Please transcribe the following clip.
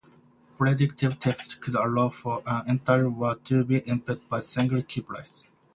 Predictive text could allow for an entire "word" to be input by single keypress.